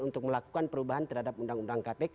untuk melakukan perubahan terhadap undang undang kpk